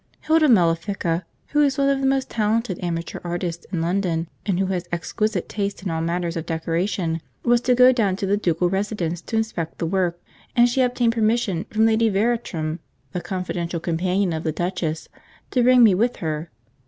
Hilda Mellifica, who is one of the most talented amateur artists in London, and who has exquisite taste in all matters of decoration, was to go down to the ducal residence to inspect the work, and she obtained permission from Lady Veratrum (the confidential companion of the duchess) to bring me with her.